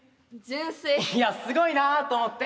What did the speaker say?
いやすごいなと思って。